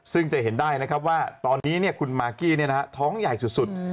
ซึ่งจะเห็นได้นะครับว่าตอนนี้เนี่ยคุณมากกี้เนี่ยนะฮะท้องใหญ่สุด